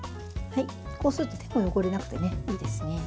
こうすると手も汚れなくていいですね。